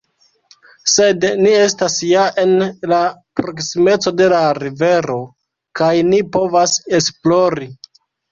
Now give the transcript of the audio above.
Sed ni estas ja en la proksimeco de la rivero kaj ni povas esplori.